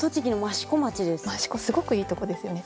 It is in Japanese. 私は益子すごくいいとこですよね。